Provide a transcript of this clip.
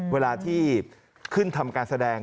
เวลาที่ขึ้นทำการแสดง